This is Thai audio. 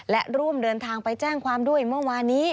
และร่วมเดินทางไปแจ้งความด้วยเมื่อวานี้